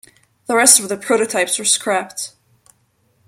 The rest of the prototypes were scrapped.